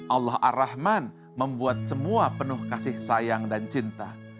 allah ar rahman membuat semua penuh kasih sayang dan cinta